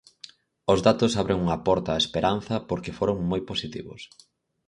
Os datos abren unha porta á esperanza porque foron moi positivos.